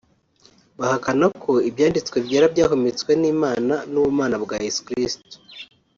Bahakana ko Ibyanditswe Byera byahumetswe n’Imana n’ubumana bwa Yesu Kristo